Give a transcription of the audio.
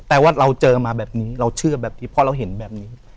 แต่ว่าเราเจอมาแบบนี้เราเชื่อแบบนี้เพราะเราเห็นแบบนี้